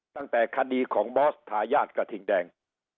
ตั้งแต่คดีของบอสทายาทกระทิงแดง